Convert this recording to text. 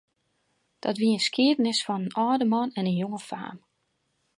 Dat wie in skiednis fan in âlde man en in jonge faam.